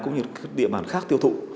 cũng như địa bàn khác tiêu thụ